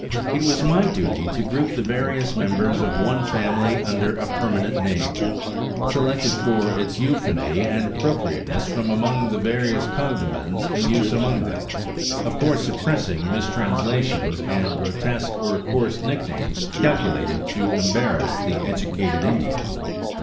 It was my duty to group the various members of one family under a permanent name, selected for its euphony and appropriateness from among the various cognomens in use among them, of course suppressing mistranslations and grotesque or coarse nicknames calculated to embarrass the educated Indian.